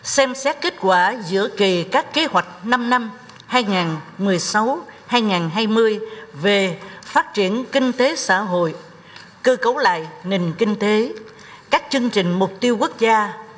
xem xét kết quả giữa kỳ các kế hoạch năm năm hai nghìn một mươi sáu hai nghìn hai mươi về phát triển kinh tế xã hội cơ cấu lại nền kinh tế các chương trình mục tiêu quốc gia